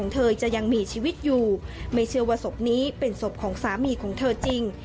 เธอจะยังมีชีวิตอยู่ไม่เชื่อว่าศพนี้เป็นศพของสามีของเธอจริง